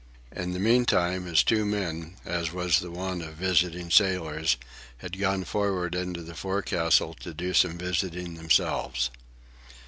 In the meantime, his two men, as was the wont of visiting sailors, had gone forward into the forecastle to do some visiting themselves.